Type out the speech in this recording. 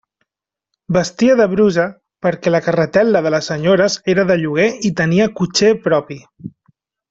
Vestia de brusa, perquè la carretel·la de les senyores era de lloguer i tenia cotxer propi.